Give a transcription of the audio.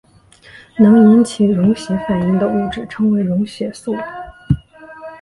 能引起溶血反应的物质称为溶血素。